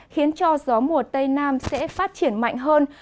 khiến cho gió mùa tây nam sẽ phát triển mạnh hơn